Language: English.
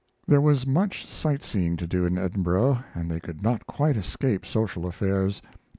There was much sight seeing to do in Edinburgh, and they could not quite escape social affairs.